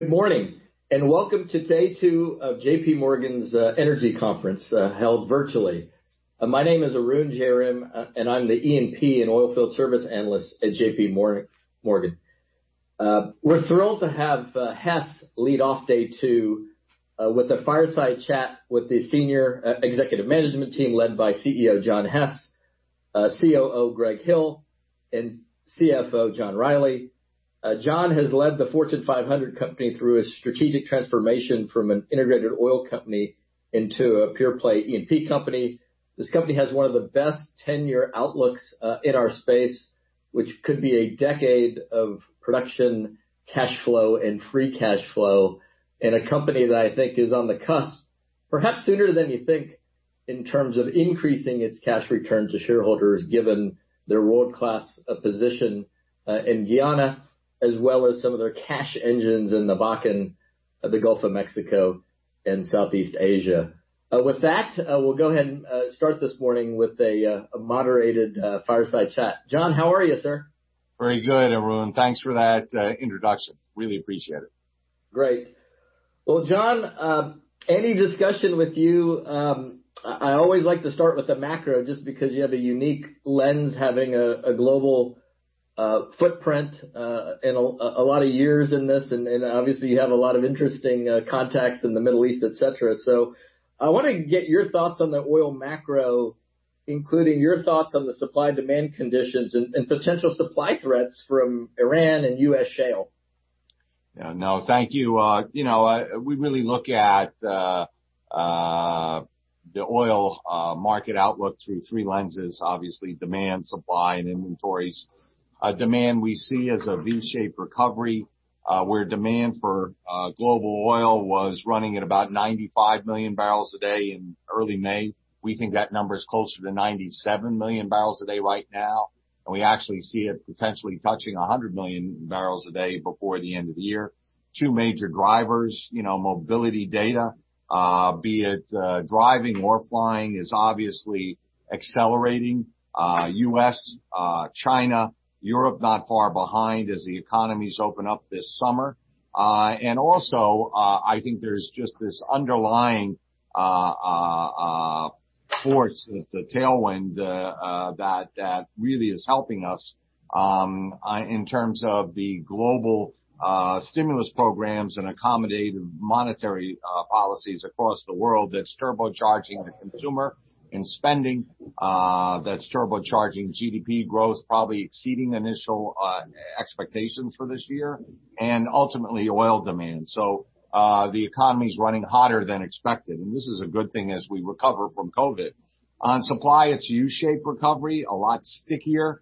Good morning, welcome to day two of JPMorgan's Energy Conference, held virtually. My name is Arun Jayaram, I'm the E&P and Oilfield Service Analyst at JPMorgan. We're thrilled to have Hess lead off day two with a fireside chat with the senior executive management team led by CEO John Hess, COO Greg Hill, and CFO John Rielly. John has led the Fortune 500 company through a strategic transformation from an integrated oil company into a pure-play E&P company. This company has one of the best 10-year outlooks in our space, which could be a decade of production, cash flow, and free cash flow in a company that I think is on the cusp, perhaps sooner than you think, in terms of increasing its cash return to shareholders, given their world-class position in Guyana, as well as some of their cash engines in the Bakken, the Gulf of Mexico and Southeast Asia. With that, we'll go ahead and start this morning with a moderated fireside chat. John, how are you, sir? Very good, everyone. Thanks for that introduction. Really appreciate it. Great. Well, John, any discussion with you, I always like to start with the macro just because you have a unique lens having a global footprint and a lot of years in this, and obviously, you have a lot of interesting contacts in the Middle East, et cetera. I want to get your thoughts on the oil macro, including your thoughts on the supply-demand conditions and potential supply threats from Iran and U.S. shale. No, thank you. We really look at the oil market outlook through three lenses, obviously, demand, supply, and inventories. Demand we see as a V-shaped recovery, where demand for global oil was running at about 95 million barrels a day in early May. We think that number is closer to 97 million barrels a day right now, and we actually see it potentially touching 100 million barrels a day before the end of the year. Two major drivers, mobility data, be it driving or flying, is obviously accelerating. U.S., China, Europe not far behind as the economies open up this summer. I think there's just this underlying force that's a tailwind that really is helping us in terms of the global stimulus programs and accommodative monetary policies across the world that's turbocharging the consumer in spending, that's turbocharging GDP growth, probably exceeding initial expectations for this year and ultimately oil demand. The economy's running hotter than expected, and this is a good thing as we recover from COVID. On supply, it's a U-shaped recovery, a lot stickier.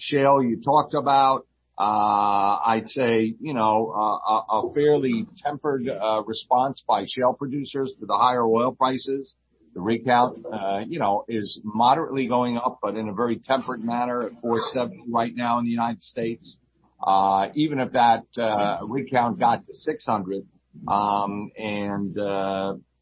Shale, you talked about. I'd say a fairly tempered response by shale producers to the higher oil prices. The rig count is moderately going up, but in a very tempered manner at 470 right now in the United States. Even if that rig count got to 600 and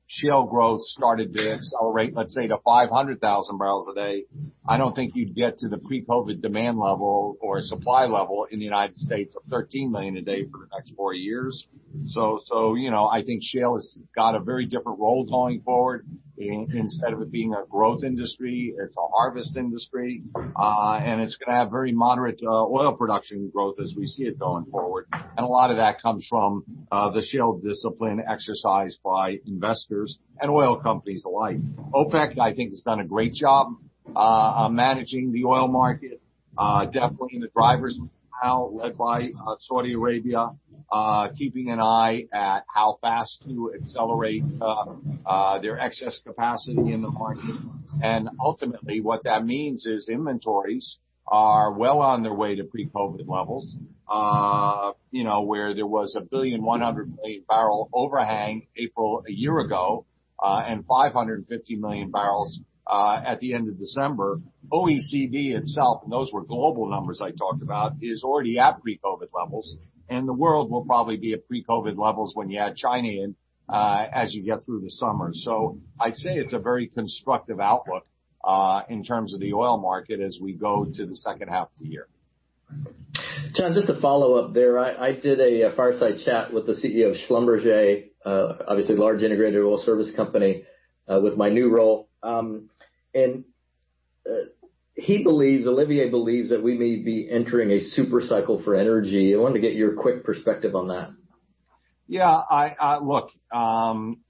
shale growth started to accelerate, let's say, to 500,000 barrels a day, I don't think you'd get to the pre-COVID demand level or supply level in the U.S. of 13 million a day for the next four years. I think shale has got a very different role going forward. Instead of it being a growth industry, it's a harvest industry. It's going to have very moderate oil production growth as we see it going forward. A lot of that comes from the shale discipline exercised by investors and oil companies alike. OPEC, I think, has done a great job managing the oil market, definitely the drivers, led by Saudi Arabia, keeping an eye at how fast to accelerate their excess capacity in the market. Ultimately, what that means is inventories are well on their way to pre-COVID levels. Where there was a 1,100 million barrel overhang April a year ago, and 550 million barrels at the end of December, OECD itself, and those were global numbers I talked about, is already at pre-COVID levels, and the world will probably be at pre-COVID levels when you add China in as you get through the summer. I'd say it's a very constructive outlook in terms of the oil market as we go to the second half of the year. John, just a follow-up there. I did a fireside chat with the CEO of SLB, obviously a large integrated oil service company, with my new role. He believes, Olivier believes that we may be entering a super cycle for energy. I want to get your quick perspective on that. Yeah. Look, when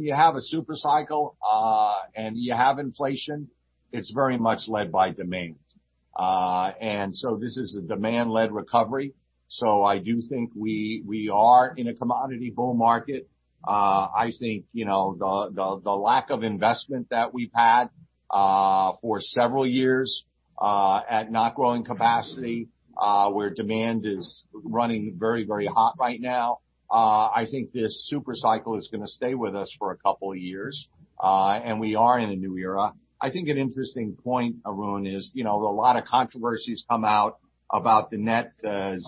you have a super cycle and you have inflation, it's very much led by demand. This is a demand-led recovery. I do think we are in a commodity bull market. I think the lack of investment that we've had for several years at not growing capacity, where demand is running very, very hot right now. I think this super cycle is going to stay with us for a couple of years, and we are in a new era. I think an interesting point, Arun, is a lot of controversies come out about the net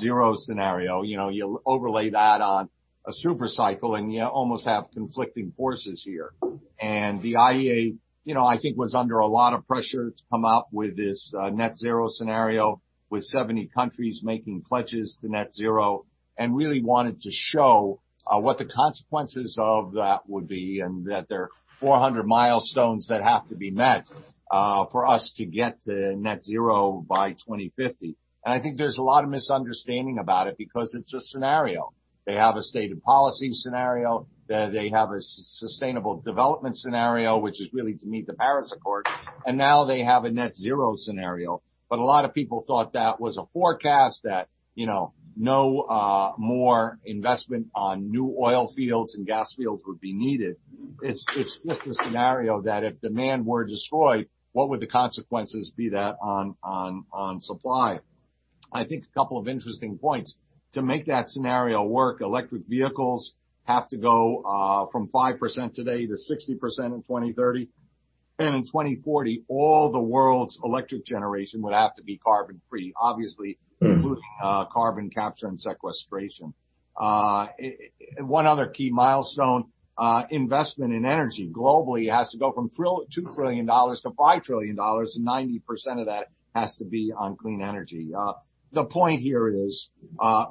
zero scenario. You overlay that on a super cycle, and you almost have conflicting forces here. The IEA, I think was under a lot of pressure to come out with this net zero scenario with 70 countries making pledges to net zero and really wanted to show what the consequences of that would be and that there are 400 milestones that have to be met for us to get to net zero by 2050. I think there's a lot of misunderstanding about it because it's a scenario. They have a stated policy scenario, they have a sustainable development scenario, which is really to meet the Paris Agreement, and now they have a net zero scenario. A lot of people thought that was a forecast that no more investment on new oil fields and gas fields would be needed. It's just a scenario that if demand were destroyed, what would the consequences be on supply. I think a couple of interesting points. To make that scenario work, electric vehicles have to go from 5% today to 60% in 2030. In 2040, all the world's electric generation would have to be carbon free, obviously, including carbon capture and sequestration. One other key milestone, investment in energy globally has to go from $2 trillion to $5 trillion, and 90% of that has to be on clean energy. The point here is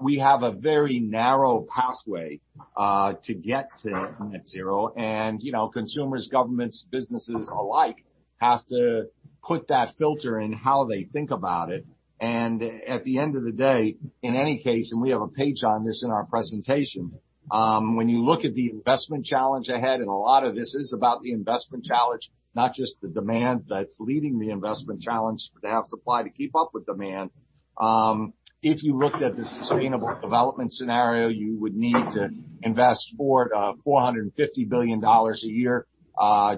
we have a very narrow pathway to get to net zero, and consumers, governments, businesses alike have to put that filter in how they think about it. At the end of the day, in any case, and we have a page on this in our presentation. When you look at the investment challenge ahead, and a lot of this is about the investment challenge, not just the demand that's leading the investment challenge to have supply to keep up with demand. If you looked at the sustainable development scenario, you would need to invest $450 billion a year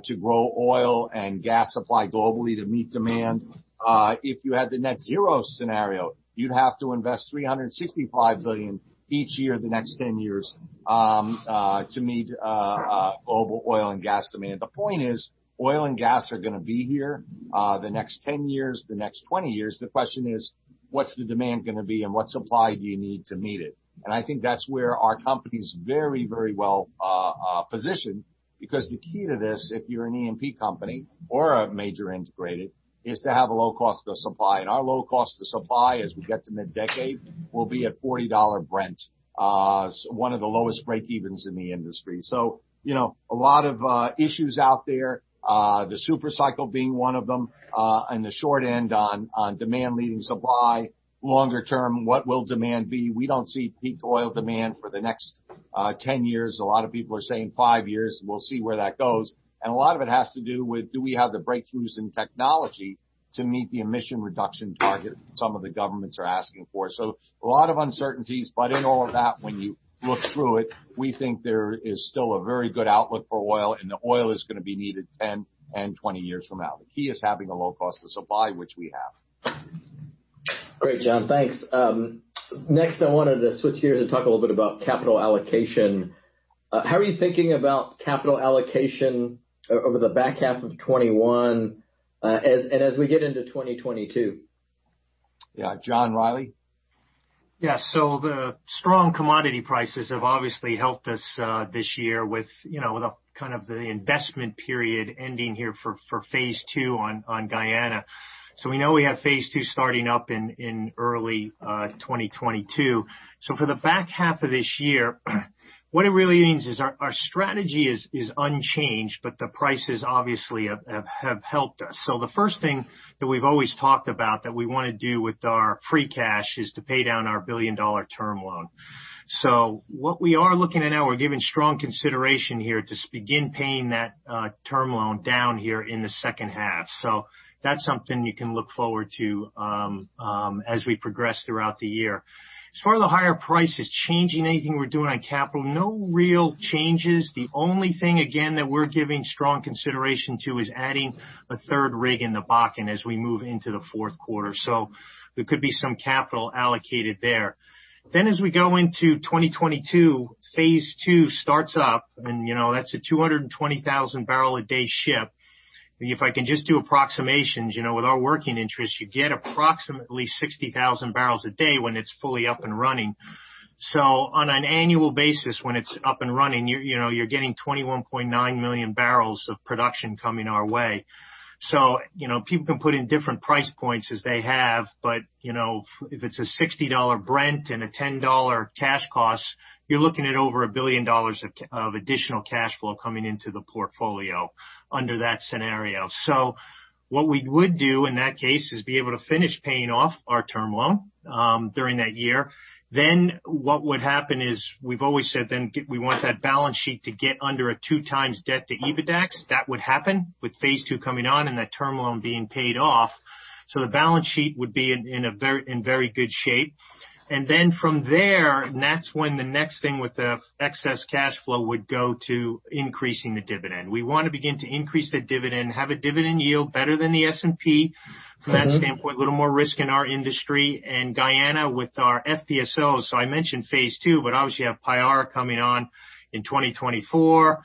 to grow oil and gas supply globally to meet demand. If you had the net zero scenario, you'd have to invest $365 billion each year the next 10 years to meet global oil and gas demand. The point is, oil and gas are going to be here the next 10 years, the next 20 years. The question is, what's the demand going to be and what supply do you need to meet it? I think that's where our company's very, very well positioned because the key to this, if you're an E&P company or a major integrated, is to have a low cost of supply. Our low cost of supply, as we get to mid-decade, will be at $40 Brent. One of the lowest breakevens in the industry. A lot of issues out there. The super cycle being one of them, and the short end on demand meeting supply. Longer term, what will demand be? We don't see peak oil demand for the next 10 years. A lot of people are saying five years. We'll see where that goes. A lot of it has to do with, do we have the breakthroughs in technology to meet the emission reduction target that some of the governments are asking for? A lot of uncertainties, but in all of that, when you look through it, we think there is still a very good outlook for oil, and oil is going to be needed 10 and 20 years from now. The key is having a low cost of supply, which we have. Great, John. Thanks. I wanted to switch gears and talk a little bit about capital allocation. How are you thinking about capital allocation over the back half of 2021 and as we get into 2022? Yeah, John Rielly. The strong commodity prices have obviously helped us this year with the kind of the investment period ending here for phase II on Guyana. We know we have phase II starting up in early 2022. For the back half of this year, what it really means is our strategy is unchanged, but the prices obviously have helped us. The first thing that we've always talked about that we want to do with our free cash is to pay down our billion-dollar term loan. What we are looking at now, we're giving strong consideration here to begin paying that term loan down here in the second half. That's something you can look forward to as we progress throughout the year. As far as the higher prices changing anything we're doing on capital, no real changes. The only thing again, that we're giving strong consideration to is adding a third rig in the Bakken as we move into the fourth quarter. There could be some capital allocated there. As we go into 2022, phase II starts up, and that's a 220,000 barrel a day ship. If I can just do approximations, with our working interest, you get approximately 60,000 barrels a day when it's fully up and running. On an annual basis, when it's up and running, you're getting 21.9 million barrels of production coming our way. People can put in different price points as they have, but if it's a $60 Brent and a $10 cash cost, you're looking at over $1 billion of additional cash flow coming into the portfolio under that scenario. What we would do in that case is be able to finish paying off our term loan during that year. What would happen is, we've always said we want that balance sheet to get under a 2x debt to EBITDAX. That would happen with phase II coming on and that term loan being paid off. The balance sheet would be in very good shape. From there, that's when the next thing with the excess cash flow would go to increasing the dividend. We want to begin to increase the dividend, have a dividend yield better than the S&P. From that standpoint, a little more risk in our industry. Guyana with our FPSO. I mentioned phase II but obviously you have Payara coming on in 2024.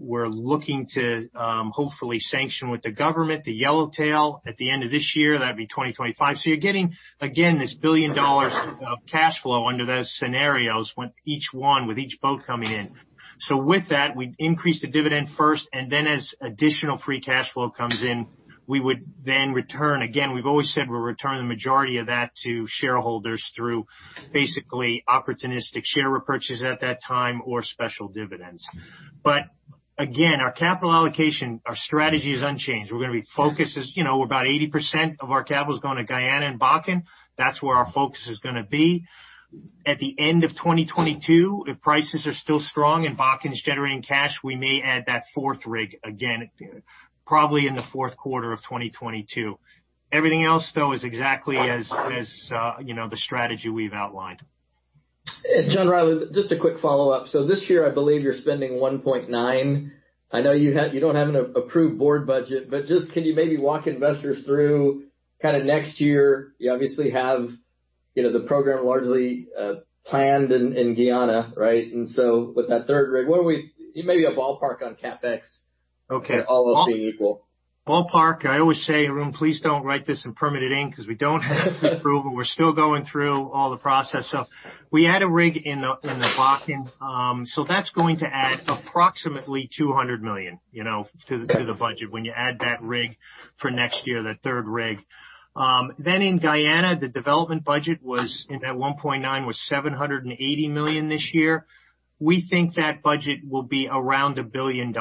We're looking to hopefully sanction with the government, the Yellowtail, at the end of this year, that'd be 2025. You're getting, again, this $1 billion of cash flow under those scenarios with each one, with each boat coming in. With that, we'd increase the dividend first, and then as additional free cash flow comes in, we would then return. Again, we've always said we'll return the majority of that to shareholders through basically opportunistic share repurchase at that time or special dividends. Again, our capital allocation, our strategy is unchanged. We're going to be focused. About 80% of our capital is going to Guyana and Bakken. That's where our focus is going to be. At the end of 2022, if prices are still strong and Bakken's generating cash, we may add that fourth rig, again, probably in the fourth quarter of 2022. Everything else, though, is exactly as the strategy we've outlined. John, just a quick follow-up. This year, I believe you're spending $1.9. I know you don't have an approved board budget, but just can you maybe walk investors through kind of next year, you obviously have the program largely planned in Guyana, right? With that third rig, give me a ballpark on CapEx. Okay. All else being equal. Ballpark, I always say, Arun, please don't write this in permanent ink because we don't have the approval. We're still going through all the process stuff. We add a rig in the Bakken. That's going to add approximately $200 million to the budget when you add that rig for next year, that third rig. In Guyana, the development budget was at 1.9 was $780 million this year. We think that budget will be around $1 billion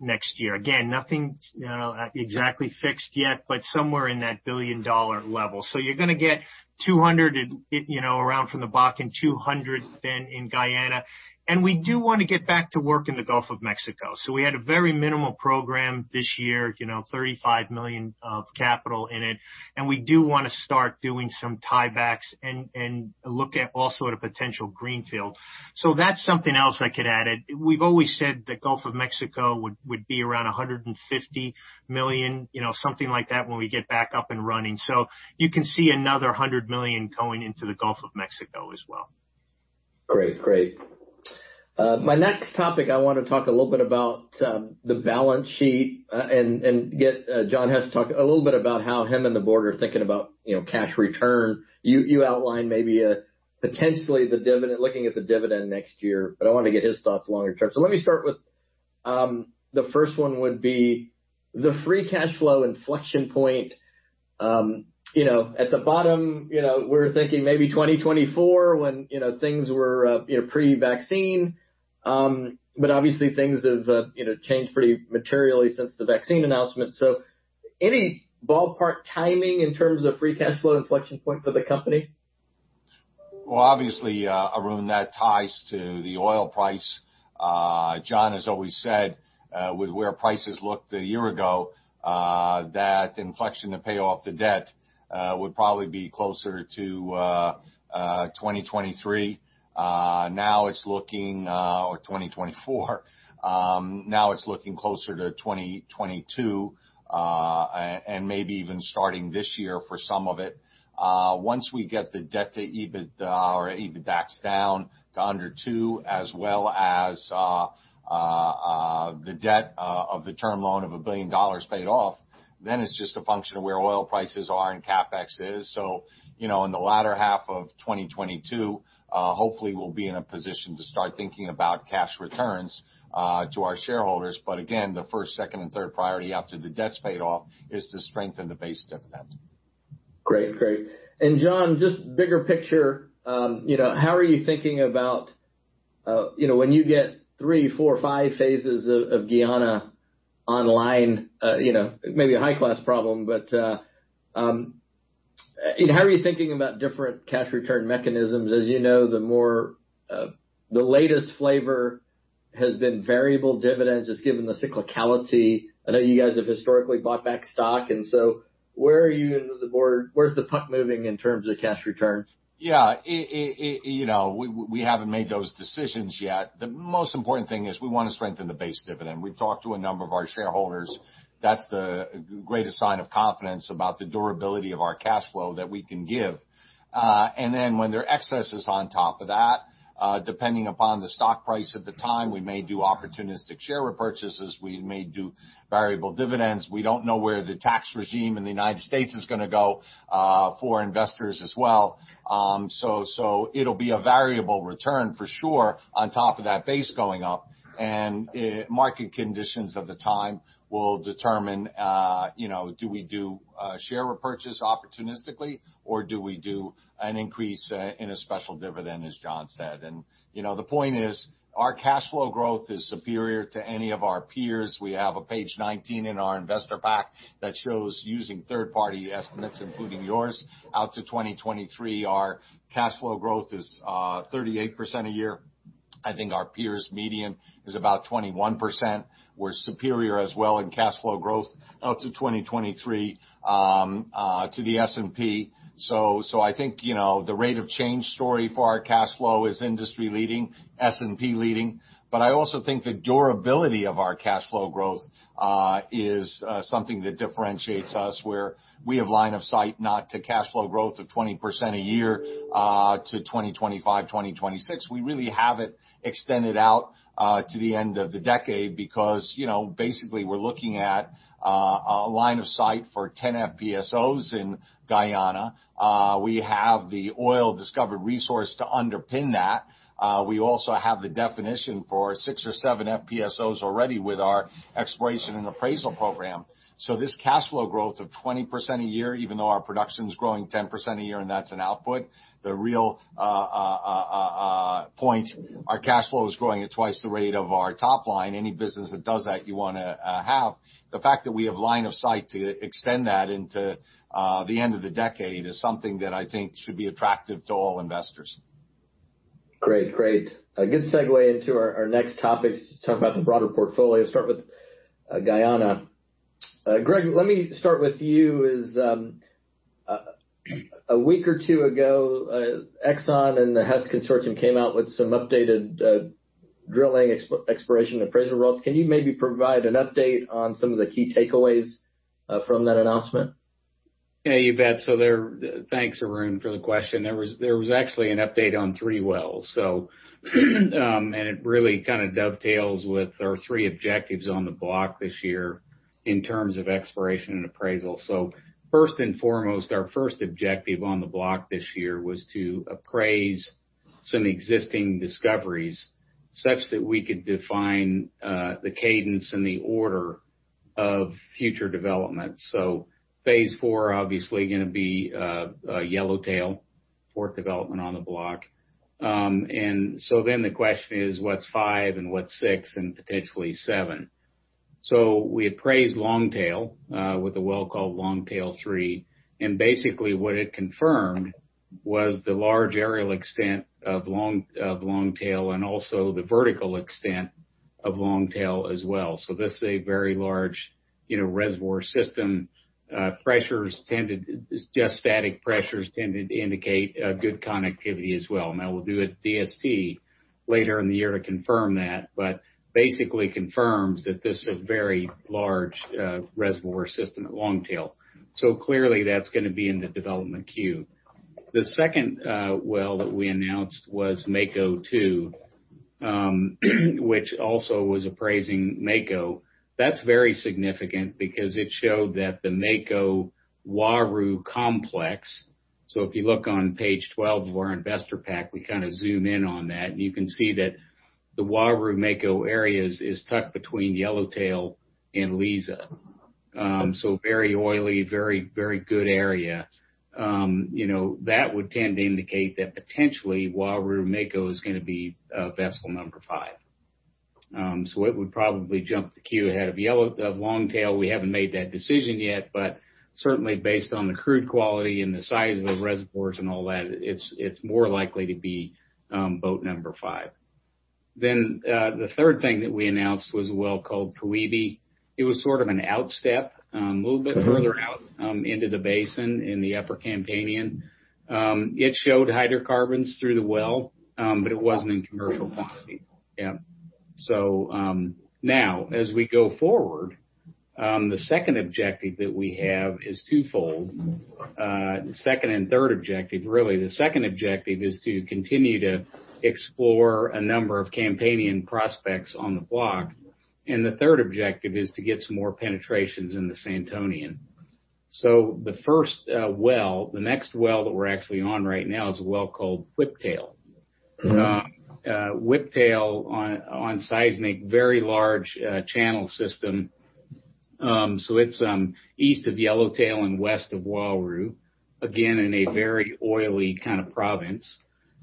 next year. Again, nothing exactly fixed yet, but somewhere in that billion-dollar level. You're going to get around for the Bakken $200, in Guyana. We do want to get back to work in the Gulf of Mexico. We had a very minimal program this year, $35 million of capital in it, and we do want to start doing some tiebacks and look at also at potential greenfield. That's something else that could add it. We've always said the Gulf of Mexico would be around $150 million, something like that when we get back up and running. You can see another $100 million going into the Gulf of Mexico as well. Great. My next topic, I want to talk a little bit about the balance sheet and get John Hess to talk a little bit about how him and the board are thinking about cash return. You outlined maybe potentially looking at the dividend next year, but I want to get his thoughts longer term. Let me start with the first one would be the free cash flow inflection point. At the bottom, we were thinking maybe 2024 when things were pre-vaccine, but obviously things have changed pretty materially since the vaccine announcement. Any ballpark timing in terms of free cash flow inflection point for the company? Well, obviously, Arun, that ties to the oil price. John has always said with where prices looked a year ago, that inflection to pay off the debt would probably be closer to 2023 or 2024. It's looking closer to 2022, and maybe even starting this year for some of it. Once we get the debt to EBITDAX down to under two, as well as the debt of the term loan of $1 billion paid off, it's just a function of where oil prices are and CapEx is. In the latter half of 2022, hopefully we'll be in a position to start thinking about cash returns to our shareholders. Again, the first, second, and third priority after the debt's paid off is to strengthen the base dividend. Great. John, just bigger picture, how are you thinking about when you get three, four, five phases of Guyana online, maybe a high-class problem, how are you thinking about different cash return mechanisms? As you know, the latest flavor has been variable dividends just given the cyclicality. I know you guys have historically bought back stock, where are you and the board, where's the puck moving in terms of cash returns? Yeah. We haven't made those decisions yet. The most important thing is we want to strengthen the base dividend. We've talked to a number of our shareholders. That's the greatest sign of confidence about the durability of our cash flow that we can give. When there are excesses on top of that, depending upon the stock price at the time, we may do opportunistic share repurchases, we may do variable dividends. We don't know where the tax regime in the United States is going to go for investors as well. It'll be a variable return for sure on top of that base going up, and market conditions at the time will determine do we do a share repurchase opportunistically, or do we do an increase in a special dividend, as John said. The point is, our cash flow growth is superior to any of our peers. We have a page 19 in our investor pack that shows using third-party estimates, including yours, out to 2023, our cash flow growth is 38% a year. I think our peers' median is about 21%. We're superior as well in cash flow growth up to 2023 to the S&P. I think the rate of change story for our cash flow is industry-leading, S&P leading. I also think the durability of our cash flow growth is something that differentiates us, where we have line of sight not to cash flow growth of 20% a year to 2025, 2026. We really have it extended out to the end of the decade because basically we're looking at a line of sight for 10 FPSOs in Guyana. We have the oil discovered resource to underpin that. We also have the definition for six or seven FPSOs already with our exploration and appraisal program. This cash flow growth of 20% a year, even though our production is growing 10% a year, and that's an output, the real point, our cash flow is growing at twice the rate of our top line. Any business that does that you want to have. The fact that we have line of sight to extend that into the end of the decade is something that I think should be attractive to all investors. Great. A good segue into our next topic to talk about the broader portfolio. Start with Guyana. Greg, let me start with you. A week or two ago, Exxon and the Hess Consortium came out with some updated drilling exploration appraisal results. Can you maybe provide an update on some of the key takeaways from that announcement? Yeah, you bet. Thanks, Arun, for the question. There was actually an update on three wells. It really kind of dovetails with our three objectives on the block this year in terms of exploration and appraisal. First and foremost, our first objective on the block this year was to appraise some existing discoveries such that we could define the cadence and the order of future development. Phase IV obviously going to be Yellowtail, fourth development on the block. The question is, what's five and what's six and potentially seven? We appraised Longtail with a well called Longtail-3, and basically what it confirmed was the large areal extent of Longtail and also the vertical extent of Longtail as well. This is a very large reservoir system. Static pressures tend to indicate good connectivity as well. We'll do a DST later in the year to confirm that, but basically confirms that this is a very large reservoir system at Longtail. Clearly that's going to be in the development queue. The second well that we announced was Mako-2, which also was appraising Mako. That's very significant because it showed that the Mako-Uaru complex. If you look on page 12 of our investor pack, we kind of zoom in on that, and you can see that the Uaru-Mako areas is tucked between Yellowtail and Liza. Very oily, very good area. That would tend to indicate that potentially Uaru-Mako is going to be vessel number five. It would probably jump the queue ahead of Longtail. We haven't made that decision yet, certainly based on the crude quality and the size of the reservoirs and all that, it's more likely to be boat number five. The third thing that we announced was a well called Koebi. It was sort of an outstep a little bit further out into the basin in the upper Campanian. It showed hydrocarbons through the well it wasn't in commercial quantity. Now as we go forward, the second objective that we have is two-fold. The second and third objective, really, the second objective is to continue to explore a number of Campanian prospects on the block, the third objective is to get some more penetrations in the Santonian. The first well, the next well that we're actually on right now is a well called Whiptail. Whiptail on seismic, very large channel system. It's east of Yellowtail and west of Uaru, again, in a very oily kind of province.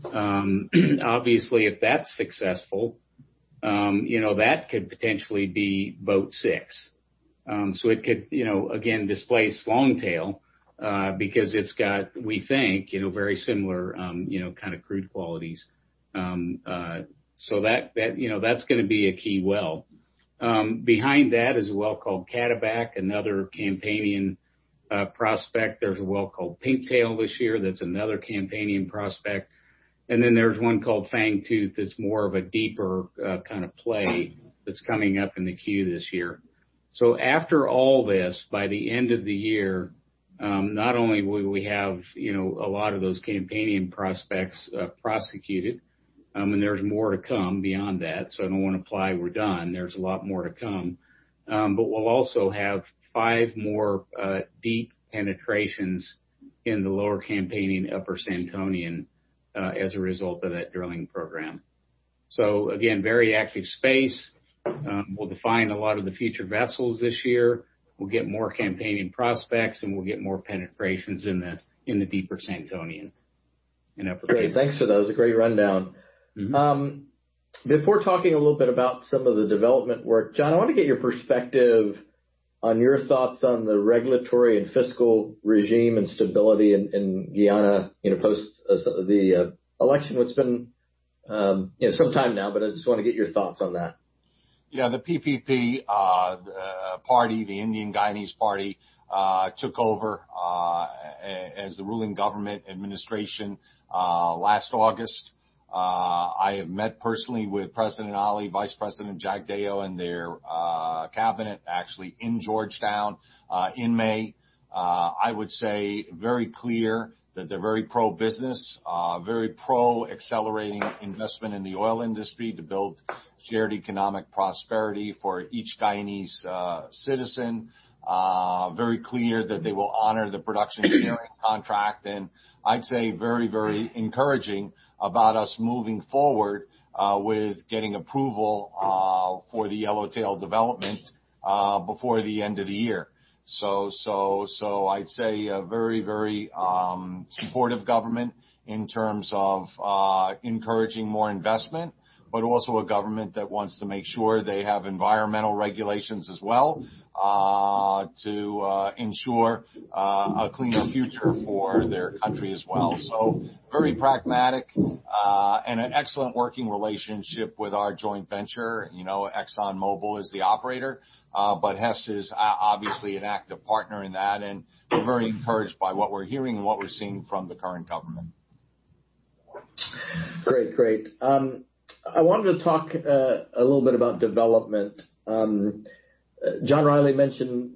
Obviously, if that's successful that could potentially be boat six. It could, again, displace Longtail because it's got, we think, very similar kind of crude qualities. That's going to be a key well. Behind that is a well called Cataback, another Campanian prospect. There's a well called Pinktail this year that's another Campanian prospect. There's one called Fangtooth that's more of a deeper kind of play that's coming up in the queue this year. After all this, by the end of the year, not only will we have a lot of those Campanian prospects prosecuted, and there's more to come beyond that. I don't want to imply we're done. There's a lot more to come. We'll also have five more deep penetrations in the lower Campanian, upper Santonian as a result of that drilling program. Again, very active space. We'll define a lot of the future vessels this year. We'll get more Campanian prospects, and we'll get more penetrations in the deeper Santonian and upper Campanian. Great. Thanks for that. That's a great rundown. Before talking a little bit about some of the development work, John, I want to get your perspective on your thoughts on the regulatory and fiscal regime and stability in Guyana post the election. It's been some time now, but I just want to get your thoughts on that. Yeah, the PPP Party, the Indian Guyanese party, took over as the ruling government administration last August. I have met personally with President Ali, Vice President Jagdeo, and their cabinet actually in Georgetown in May. I would say very clear that they're very pro-business, very pro accelerating investment in the oil industry to build shared economic prosperity for each Guyanese citizen. Very clear that they will honor the production sharing contract, I'd say very encouraging about us moving forward with getting approval for the Yellowtail development before the end of the year. I'd say a very supportive government in terms of encouraging more investment, but also a government that wants to make sure they have environmental regulations as well to ensure a cleaner future for their country as well. Very pragmatic and an excellent working relationship with our joint venture. ExxonMobil is the operator, but Hess is obviously an active partner in that, and we're very encouraged by what we're hearing and what we're seeing from the current government. Great. I wanted to talk a little bit about development. John Rielly mentioned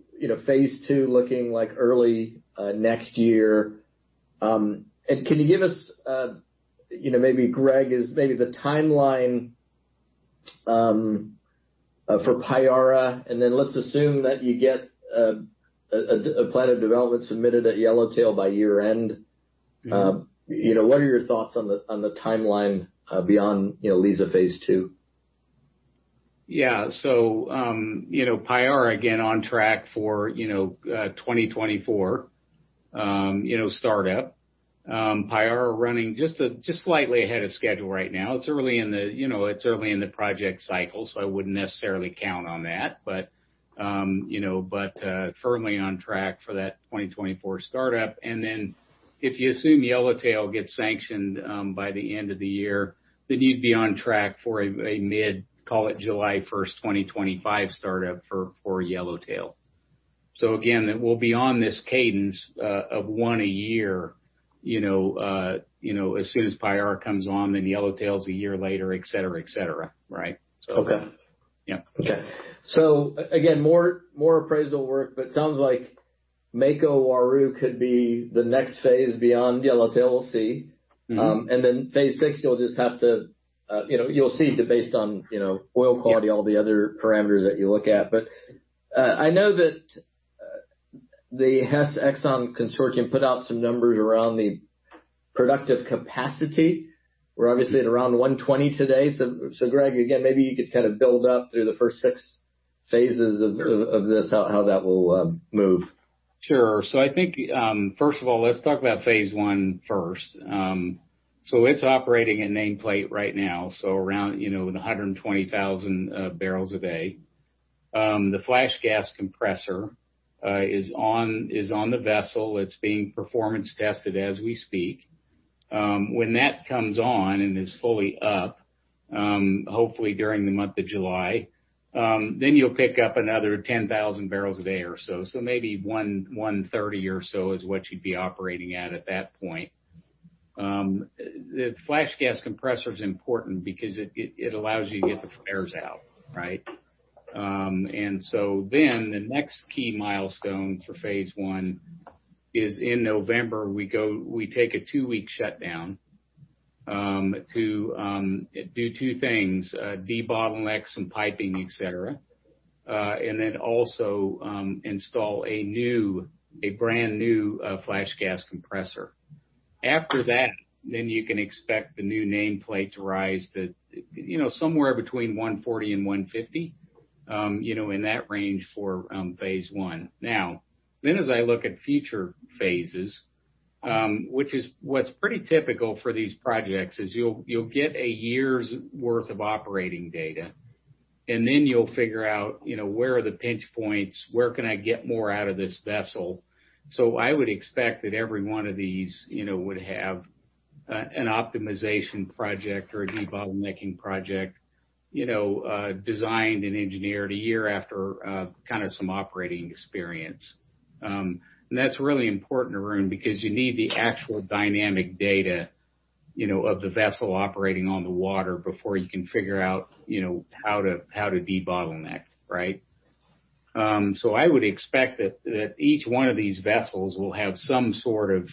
phase II looking like early next year. Can you give us, maybe Greg, is maybe the timeline for Payara, and then let's assume that you get a plan of development submitted at Yellowtail by year-end. What are your thoughts on the timeline beyond Liza phase II? Yeah. Payara, again, on track for 2024 startup. Payara running just slightly ahead of schedule right now. It's early in the project cycle, so I wouldn't necessarily count on that, but firmly on track for that 2024 startup. If you assume Yellowtail gets sanctioned by the end of the year, then you'd be on track for a mid, call it July 1st, 2025 startup for Yellowtail. Again, it will be on this cadence of one a year, as soon as Payara comes on, then Yellowtail's one year later, et cetera. Okay. Yeah. Okay. Again, more appraisal work, but sounds like Mako-Uaru could be the next phase beyond Yellowtail, we'll see. Phase VI, you'll see based on oil quality, all the other parameters that you look at. I know that the Hess Exxon consortium put out some numbers around the productive capacity. We're obviously at around 120 today. Greg, again, maybe you could kind of build up through the first six phases of this, how that will move. Sure. I think first of all, let's talk about phase I first. It's operating a nameplate right now, around 120,000 barrels a day. The flash gas compressor is on the vessel. It's being performance tested as we speak. When that comes on and is fully up, hopefully during the month of July, then you'll pick up another 10,000 barrels a day or so. Maybe 130 or so is what you'd be operating at at that point. The flash gas compressor is important because it allows you to get the flares out, right? The next key milestone for phase I is in November, we take a two-week shutdown to do two things, debottleneck some piping, et cetera, and then also install a brand new flash gas compressor. After that, you can expect the new nameplate to rise to somewhere between 140 and 150, in that range for phase I. As I look at future phases, which is what's pretty typical for these projects is you'll get a year's worth of operating data, and you'll figure out where are the pinch points, where can I get more out of this vessel. I would expect that every one of these would have an optimization project or a debottlenecking project designed and engineered a year after kind of some operating experience. That's really important, Arun, because you need the actual dynamic data of the vessel operating on the water before you can figure out how to debottleneck, right? I would expect that each one of these vessels will have some sort of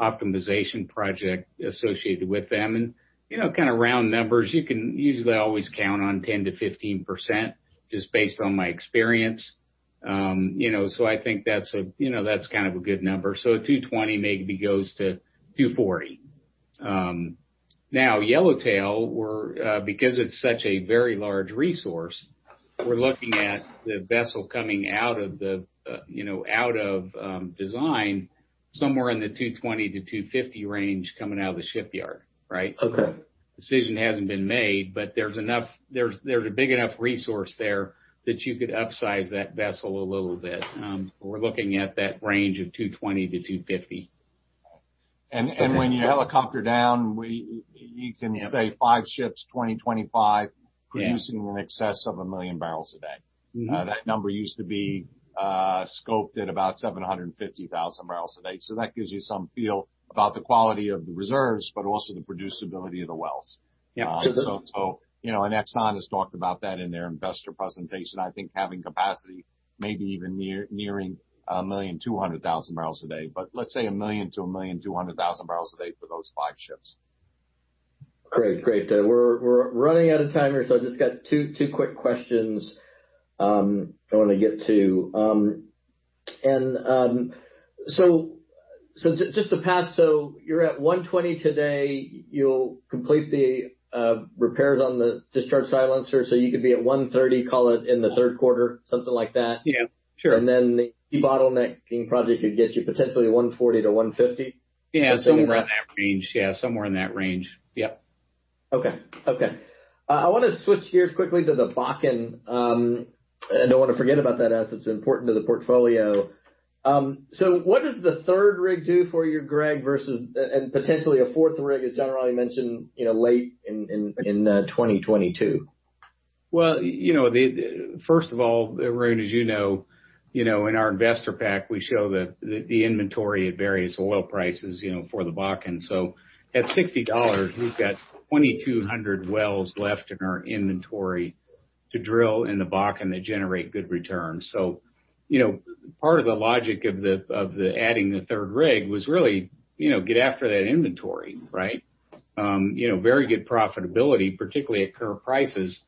optimization project associated with them. Kind of round numbers, you can usually always count on 10%-15%, just based on my experience. I think that's kind of a good number. 220 maybe goes to 240. Yellowtail, because it's such a very large resource, we're looking at the vessel coming out of design. Somewhere in the 220-250 range coming out of the shipyard. Right? Okay. Decision hasn't been made, but there's a big enough resource there that you could upsize that vessel a little bit. We're looking at that range of 220 to 250. When you helicopter down, you can say five ships, 2025. Yeah. Producing in excess of 1 million barrels a day. That number used to be scoped at about 750,000 barrels a day. That gives you some feel about the quality of the reserves, but also the producibility of the wells. Yeah. Exxon has talked about that in their investor presentation. I think having capacity maybe even nearing 1,200,000 barrels a day. Let's say 1 million to 1,200,000 barrels a day for those five ships. Great. We're running out of time here, so I've just got two quick questions I want to get to. Just to pass, so you're at 120 today. You'll complete the repairs on the discharge silencer, so you could be at 130, call it in the third quarter, something like that. Yeah, sure. Debottlenecking project could get you potentially 140-150. Yeah, somewhere in that range. Yeah. Okay. I want to switch gears quickly to the Bakken. I don't want to forget about that as it's important to the portfolio. What does the third rig do for you, Greg, and potentially a fourth rig as John Rielly mentioned, late in 2022? Well, first of all, Arun, as you know, in our investor pack, we show the inventory at various oil prices for the Bakken. At $60, we've got 2,200 wells left in our inventory to drill in the Bakken that generate good returns. Part of the logic of adding the third rig was really, get after that inventory, right? Very good profitability, particularly at current prices,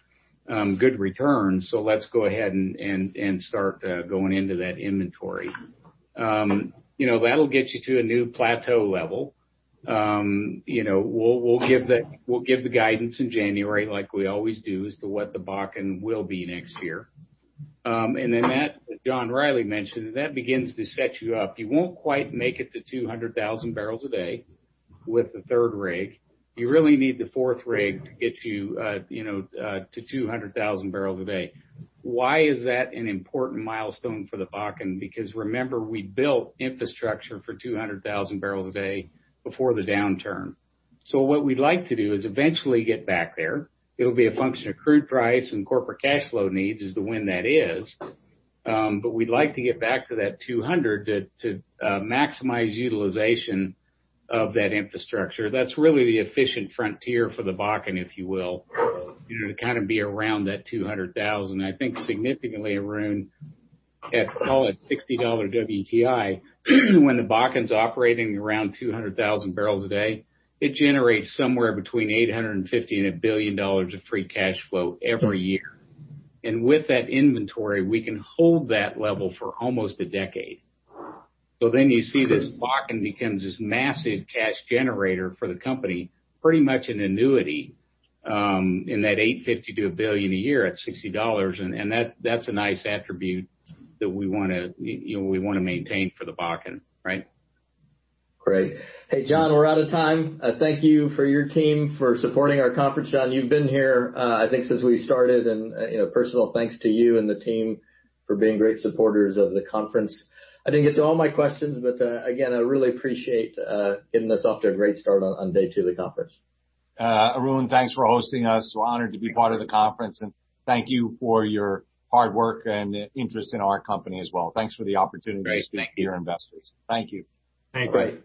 good returns. Let's go ahead and start going into that inventory. That'll get you to a new plateau level. We'll give the guidance in January like we always do as to what the Bakken will be next year. That, as John Rielly mentioned, that begins to set you up. You won't quite make it to 200,000 barrels a day with the third rig. You really need the fourth rig to get you to 200,000 barrels a day. Why is that an important milestone for the Bakken? Remember, we built infrastructure for 200,000 barrels a day before the downturn. What we'd like to do is eventually get back there. It'll be a function of crude price and corporate cash flow needs is when that is. We'd like to get back to that 200 to maximize utilization of that infrastructure. That's really the efficient frontier for the Bakken, if you will, to kind of be around that 200,000. I think significantly, Arun, at call it $60 WTI, when the Bakken's operating around 200,000 barrels a day, it generates somewhere between $850 million and $1 billion of free cash flow every year. With that inventory, we can hold that level for almost a decade. You see this Bakken becomes this massive cash generator for the company, pretty much an annuity, in that $850-$1 billion a year at $60. That's a nice attribute that we want to maintain for the Bakken, right? Great. Hey, John, we're out of time. Thank you for your team for supporting our conference. John, you've been here, I think since we started. Personal thanks to you and the team for being great supporters of the conference. I think it's all my questions. Again, I really appreciate getting us off to a great start on day two of the conference. Arun, thanks for hosting us. We're honored to be part of the conference, and thank you for your hard work and interest in our company as well. Thanks for the opportunity to speak to your investors. Thank you. Thank you.